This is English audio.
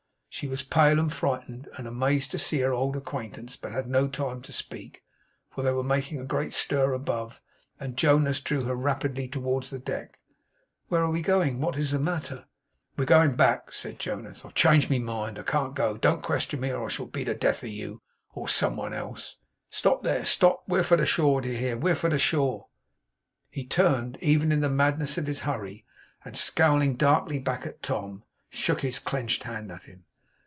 She was pale and frightened, and amazed to see her old acquaintance; but had no time to speak, for they were making a great stir above; and Jonas drew her rapidly towards the deck. 'Where are we going? What is the matter?' 'We are going back,' said Jonas. 'I have changed my mind. I can't go. Don't question me, or I shall be the death of you, or some one else. Stop there! Stop! We're for the shore. Do you hear? We're for the shore!' He turned, even in the madness of his hurry, and scowling darkly back at Tom, shook his clenched hand at him.